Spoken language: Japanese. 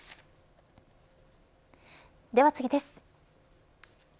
では次です。